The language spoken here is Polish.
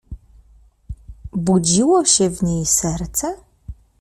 "Budziło się w niej serce?"